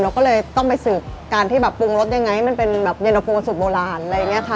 เราก็เลยต้องไปสืบการที่แบบปรุงรสยังไงให้มันเป็นแบบเย็นตะโฟสูตรโบราณอะไรอย่างนี้ค่ะ